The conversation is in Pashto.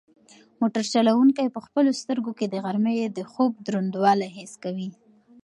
موټر چلونکی په خپلو سترګو کې د غرمې د خوب دروندوالی حس کوي.